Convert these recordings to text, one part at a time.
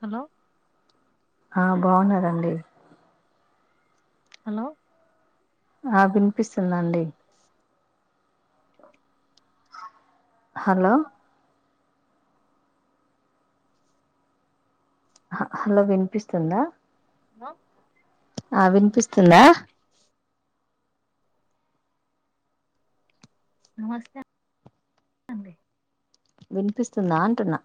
Hello ఆ బావున్నారండి. Hello ఆ వినిపిస్తుందా అండి. క హలో హహలో వినిపిస్తుందా. హలో ఆ వినిపిస్తుందా. నమస్తే అండి. వినిపిస్తుందా అంటున్నా.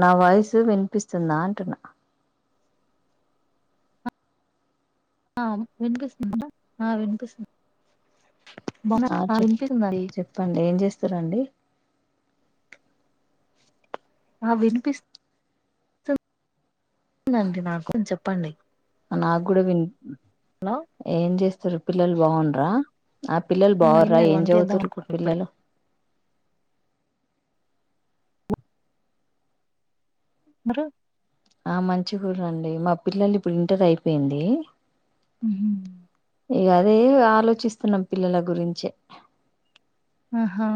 నా వాయిసు వినిపిస్తుందా అంటున్నా. ఆ వినిపిస్తుందా ఆ వినిపిస్ ఆ చెప్ చెప్పండి ఏం చేస్తురండి. ఆ వినిపిస్ స్తుదండి నాకు చెప్పండి. నాకు కూడా విన్ హలో ఏం చేస్తుర్రు పిల్లలు బావుంర్రా. ఆ పిల్లలు బావుర్రా, లేదు ఏం వంట చేద్దాం చదువుతుర్రు అనుకుంటున్నా ఇప్పుడే పిల్లలు. బరు ఆ మంచిగుర్రండి, మా పిల్లలు ఇప్పుడు ఇంటర్ అయిపోయింది. హుహ్ ఇగ అదే ఇగ ఆలోచిస్తున్నాం పిల్లల గురించే. ఆహా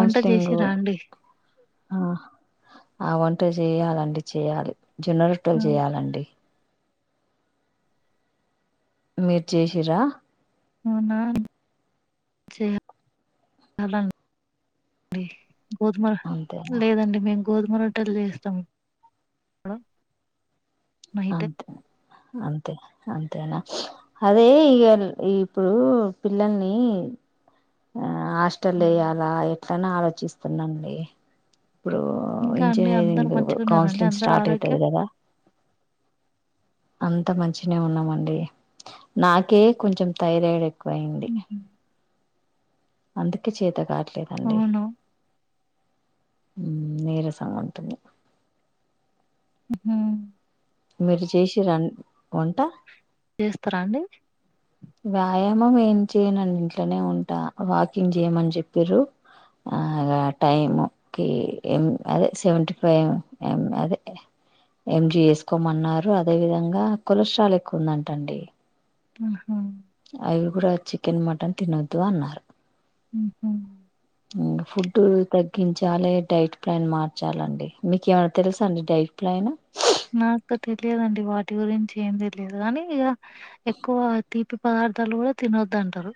వంట చేసిరా అండి ఆ ఆ వంట చేయాలండి చెయ్యాలి. జొన్న ఆ రొట్టలు చేయ్యాలండి. మీరు చేశిర్రా. అవునా చేయ లం డి గోధుమ అంతేనా లేదండి మేము గోధుమ రొట్టలు చేస్తాం. నైట్ అంతే అంతే అంతేనా అదే ఇగ ఇప్పుడు పిల్లల్ని ఆ హాస్టల్ల ఎయాలా ఎట్ల అని ఆలోచిస్తున్నా అండి. ఇప్పుడు ఇంకా అండి అందరు ఇంజనీరింగ్ మంచిగున్నారండి కౌన్సిలింగ్ అందరు స్టార్ట్ అయితది ఆరోగ్యం కదా. అంత మంచిగనే ఉన్నమండి. నాకే కొంచెం థైరాయిడ్ ఎ క్కువయింది. అందుకే చేత కాట్లేదండి. అవును నీరసంగా ఉంటుంది. హ్ మీరు చేశిర్రా వంటా? ఎస్తారండి వ్యాయామం ఏం చేయనండి ఇంట్లోనే ఉంటా వాకింగ్ చేయ్యమని చెప్పిర్రు అ టైమ్ కి ఎం అదే సెవెంటీ ఫైవ్ ఎం అదే ఎంజి ఎసుకోమన్నారు అదే విధంగా కొలెస్ట్రాల్ ఎక్కువ ఉందంటండి అహ అవి కూడా చికెన్ మటన్ తినొద్దు అన్నారు ఉహు ఫుడ్ తగ్గించాలి డైట్ ప్లాన్ మార్చాలండి మీకే ఏమైన్నా తెల్సా అండి డైట్ ప్లాను నాకు తెలియదండి వాటి గురించి ఏం తెలిదు గాని ఇగ ఎక్కువ తీపి పదార్థాలు కూడా తిన్నొద్దాంటారు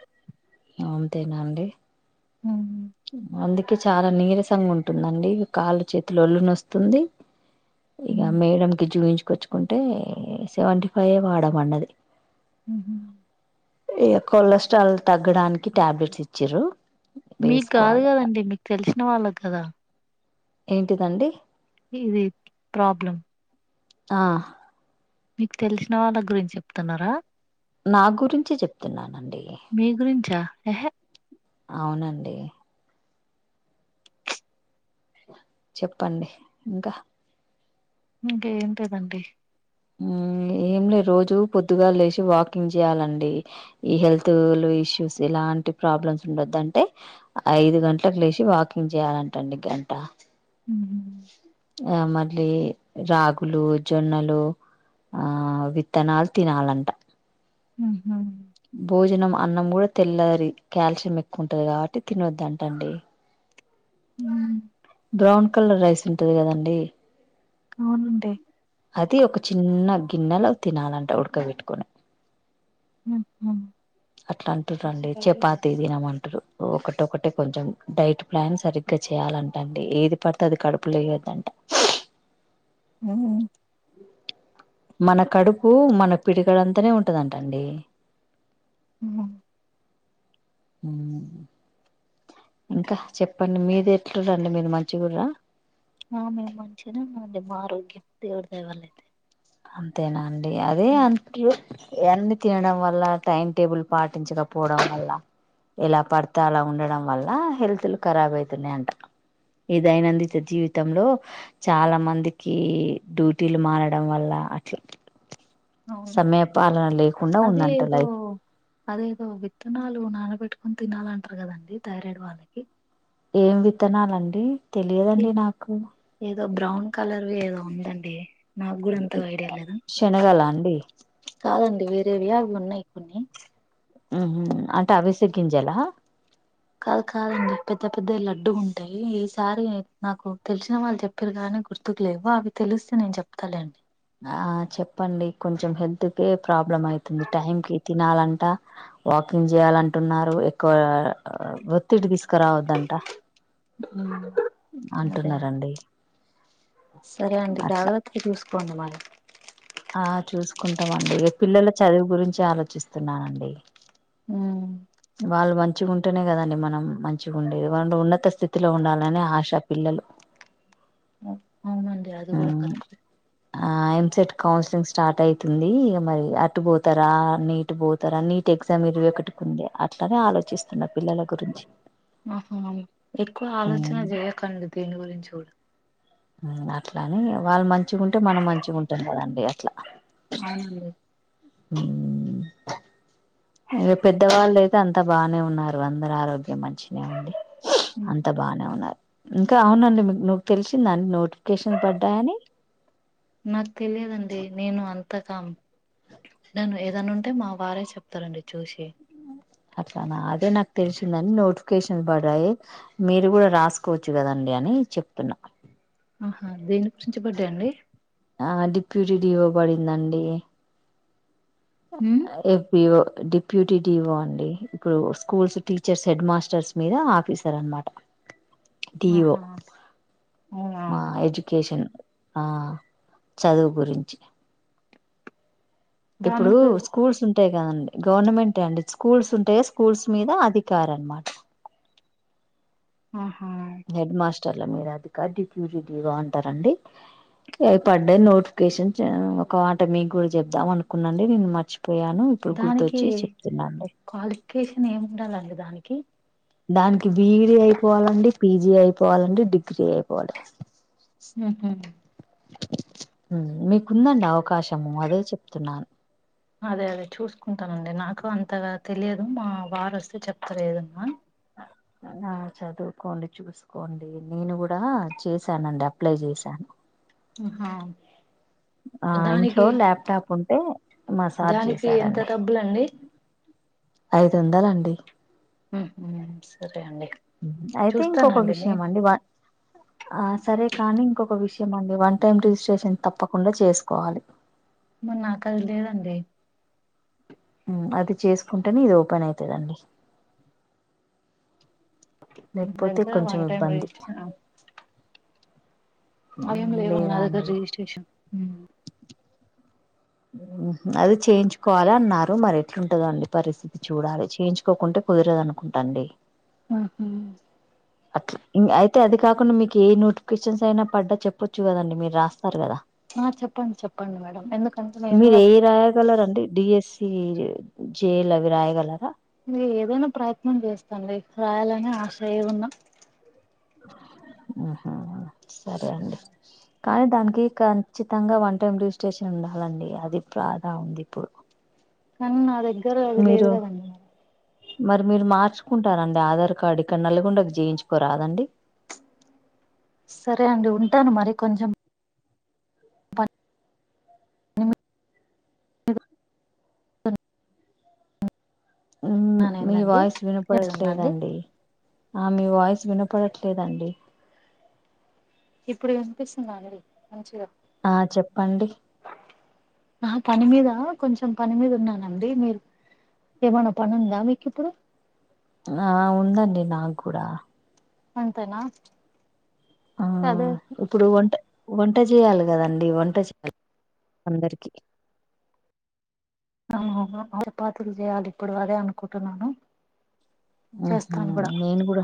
అంతేనా అండి ఉ అందుకే చాలా నీరసంగా ఉంటుందండి కాళ్ళు చేతులు ఒల్లునొస్తుంది ఇగ మేడం కి చూయించుకొచ్చుకుంటే సెవెంటీ ఫైవే వాడ మన్నది ఉహు ఈ కొలెస్ట్రాల్ తగ్గడానికి టాబ్లెట్స్ ఇచ్చిరు మీకు కాదు కదండి మీకు తెలిసిన వాళ్ళకు కదా ఏంటిదండి ఇది ప్రాబ్లం ఆ మీకు తెలిసిన వాళ్ళ గురించి చెప్తున్నారా నా గురించి చెప్తున్నాన మీ గురించా ఎహే అవునండి చెప్పండి ఇంక ఇంక ఏం లేదండి ఊ ఏ ఎం లే రోజు పొద్దుగా లేసి వాకింగ్ చేయాలండి ఈ హెల్త్ లు ఇష్యూస్ ఇలాంటి ప్రాబ్లమ్స్ ఉండదంటే ఐదు గంటలకు లేచి వాకింగ్ చేయాలంటండి గంట మ్మ్. ఆ మళ్ళీ రాగులు జొన్నలు ఆ విత్తనాలు తినాలంట ఉహు భోజనం అన్నం కూడా తెల్లరి కాల్షియం ఎక్కువుంటది కాబట్టి తినొద్దు అంట అండి ఊ బ్రౌన్ కలర్ రైస్ ఉంటది కదండి అవునండి అది ఒక చిన్న గిన్నెలో తినాలంట ఉడకబెట్టుకొని మ్మ్. మ్మ్. అట్లా అంటుర్రండి చపాతి తినమంటురు ఒకటోకటి కొంచెం డైట్ ప్లాన్ సరి ఇంకా చేయాలంట అండి ఏది పడితే అది కడుపులో ఏయద్దంట హ మన కడుపు మన పిడికలంతానే ఉంటుందంటండి ఉహ ఉ ఉ ఇంకా చెప్పండి మీది ఎట్లురండి మీది మంచిగుర్ర ఆ మేము మంచిగనే ఉన్నాం లే మా ఆరోగ్యం దేవుడి దయ వల్లైతే అంతేనా అండి అదే అంత్యు ఇవన్నీ తినడం వల్ల టైం టేబుల్ పాటించకపోవడం వల్ల ఎలా పడితే అలా ఉండడం వల్ల హెల్త్లు కరాబ్ అయితున్నయంట ఈ దైైనందిత జీవితంలో చాలా మందికి డూటీలు మారడం వల్ల అట్ల అవునండి అదే ఉందంట ఏదో లైఫ్ అదేదో విత్తనాలు నానబెట్టుకొని తినాలంటరు కదండి థైరాయిడ్ వాళ్ళకి ఏం విత్తనాలండి తెలియదండి ఏ- నాకు బ్రౌన్ కలర్వి ఏదో ఉందండి నాగ్గూడ అంతగా ఐడియా లేదు శనగలా అండి కాదండి వేరేవి అవున్నయి కొన్ని ఊహు అంటే అవిసె గింజలా కాదు కాదండి పెద్ద పెద్ద లడ్డు గుంటాయి ఈసారి నాకు తెలిసిన వాళ్ళు చెప్పిరు గుర్తుకు లేవు అవి తెలిస్తే నేను చెప్తాలేండి ఆ చెప్పండి కొంచెం హెల్త్కే ప్రాబ్లం అయితుంది టైం కి తినాలంట వాకింగ్ జెయాలంటున్నారు ఎక్కువ ఒత్తిడి తీస్ రావద్దంట ఉమ్, అదే అంటురన్నండి సరే అండి జాగ్రత్తగ చూసుకోండి మరి ఆ చూసుకుంటమండి పిల్లల చదువు గురించి ఆలోచిస్తున్నానండి ఊ వాళ్ళు మంచిగుంటేనే గదండి మనం మంచి గుండేది వండ్ ఉన్నత స్థితిలో ఉండాలనే ఆశ పిల్లలు అవునండీ అది గుడ ఉమ్ కరెక్ట్ ఆ ఎంసెట్ కౌన్సిలింగ్ స్టార్ట్ అయితుంది ఇగ మరి అటు బోతరా నీట్ బోతారా నీట్ ఎ ఎగ్జామ్ ఇరవై ఒకటికుంది అట్లనే ఆలోచిస్తున్నా పిల్లల గురించి ఆహా ఎక్కువ ఆలోచన హ్మ్. జెయకండి దేని గురించి గూడ అట్లని వాళ్ళు మంచిగుంటే మనం మంచిగుంటం గదండి అట్ల ఆనంది హ్మ్ ఇగ పెద్దవాళ్ళైతే అంత బానే ఉన్నారు అందరు ఆరోగ్యమన్ చినా ఉండి అంతా బానే ఉన్నారు ఇంకా అవునండి మీకు నువ్కు తెలిసిందా అండి నోటిఫికేషన్ పడ్డాయని నాకు తెలియదండి నేను అన్ తకాం నేను ఏదనుంటే మా వారే చెప్తారండి చూసి అట్లా నా అదే నాకు తెలిసిందని నోటిఫికేషన్స్ బడాయి మీరు గూడ రాసుకోవచ్చు గదాని డి అని చెప్తున్నా ఆహా దేని గురించి బడ్డాండి పీ జీ డీ వో బడిందండి రెప్యో డిప్యూటీ డీ ఓ అండి ఇప్పుడు స్కూల్స్ టీచర్స్ హెడ్ మాస్టర్స్ మీద ఆఫీసర్ అన్మాట డీ ఓ ఆహా అవునా మా ఎజుకేషన్ ఆ చదువు గురించి ఇప్పుడు దానికి స్కూల్స్ గదండి గవర్నమెంటే అండి స్కూల్స్ ఉంటయ స్కూల్స్ మీద అధికార్నమాట ఆహా హెడ్ మాస్టర్ల మీరు అధికారు డిప్యూటీ డిగా అంటారండి ఏ పడ్డ నోటిఫికేషన్ ఒక మాట మీకు కూడ చెబుదాం అనుకున్నాండి నేను మర్చిపోను దానికి క్వాలిఫికేషన్ ఏమి ఉండాలండి దానికి దానికి బిడీ అయిపోవాలండి పీజీ అయిపోవాలండి డిగ్రీ అయిపోవాలి హు హు మీకుందండి అవకాశము అదే చెప్తున్నాను అదే అదే చూసుకుంటానండి నాకు అంతగా తెలియదు మా వారొస్తే చెప్తారు ఏదన్నా ఆ చదువుకోండి చూసుకోండి నేను కూడ చేసానండి అప్లై చేశాను హా మా ఇంట్లో ల్యాప్టాప్ ఉంటే మా సార్ దానికి ఎంత చేసారండి డబ్బులండి ఐదు వందలండి [unintelligible] అయితే ఇంకొక చూస్తానండి విషయం అండి ఆ సరే కానీ ఇంకొక విషయం అండి వన్ టైం నేను రిజిస్ట్రేషన్ తప్పకుండా చేసుకోవాలే [unintelligible] నాకు అదిలేదండి అది చేసుకుంటేనే ఇది ఓపెన్ అయితదండి వన్ లేకపోతే కొంచెం టై ఇబ్బంది [unintelligible] అవి ఉమ్, ఏమి లేదా లేవండి అండి రిజిస్ట్రేషన్ [unintelligible] అది చేయించుకోవాలి అన్నారు మరి ఎట్లుంటదో అండి పరిస్థితి చూడాలి చేయించుకోకుంటే కుదిరదు అనుకుంటాండి ఆహ అ అయితే అది కాకుండా మీకు ఏ నోటిఫికేషన్స్ అయినా పడ్డా చెప్పొచ్చు కదండి మీరు రాస్తారు కదా ఆ చెప్పండి చెప్పండి మేడం ఎందుకంటే నేను మీరు కూడా [unintelligible] రాయగలరాండి డిఎస్సి జేఎల్ అవి రాయగలరా నేను ఏదైనా ప్రయత్నం చేస్తాను రాయాలనే ఆశ ఏ ఉన్నా ఆహ సరే అండి కానీ దానికి ఖచ్చితంగా వన్ టైమ్ రిజిస్ట్రేషన్ ఉండాలండి అది బాధా ఉంది ఇప్పుడు కానీ నా దగ్గర అది లేదు మీరు కదండి మరి మీరు మార్చుకుంటారండి ఆధార్ కార్డు ఇక్కడ నల్గొండకి చేయించుకోరాదండి సరే అండి ఉంటాను మరి కొంచెం మీ పనైందండి వాయిస్ అండి వినపడట్లేదండి ఆ మీ వాయిస్ వినపడట్లేదండి ఇప్పుడు వినిపిస్తుందా అండి మంచిగా ఆ చెప్పండి ఆ పని మీద కొంచెం పని మీద ఉన్నానండి మీర్ ఏమన్నా పనుందా మీకి ఇప్పుడు ఆ ఉందండి నాకు కూడ అంతేనా ఆ అదే ఇప్పుడు [unintelligible] వంట చేయాలి కదండి వంట చేయాలి అందరికి అ ఆపాత్రలు చేయాలి ఇప్పుడు అదే అనుకుంటున్నాను ఆహా చేస్తాను కూడా నేను కూడా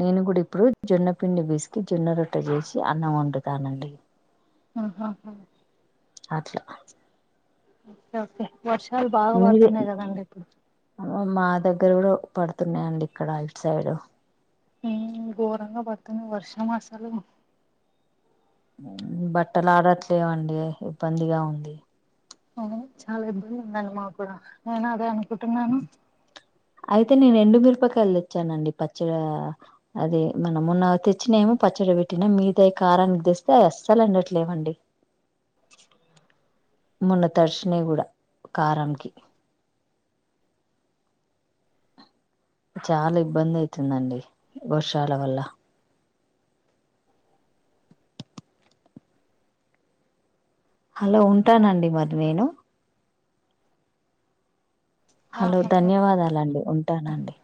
నేను కూడా ఇప్పుడు జొన్న పిండి పిసికి జొన్న రొట్టె చేసి అన్నం వండుతానండి ఆహా హా అట్లా ఓకే వర్షాలు బాగా పడుతున్నాయి కదండి ఇప్పుడు అ మా దగ్గర కూడా పడుతున్నాయండి ఇక్కడ ఇట్ సైడ్ ఉమ్ ఘోరంగా పడుతుంది వర్షం అసలు బట్టలు ఆరట్లేదండి ఇబ్బందిగా ఉంది అవును చాలా ఇబ్బంది ఉందండి మా కూడా నేను అదే అనుకుంటున్నాను అయితే నేను ఎండు మిరపకాయలు తెచ్చానండి పచ్చడి అది మనమున్న తెచ్చిన ఏమో ప పచ్చడి పెట్టిన మీద కారానికి తెస్తే అస్సలు ఉండట్లేవండి మొన్న తడిచిన కూడా కారనికి చాలా ఇబ్బంది అవుతుందండి వర్షాల వల్ల హలో ఉంటానండి మరి నేను ఆ హలో ధన్యవాదాలండి ఉంటానండి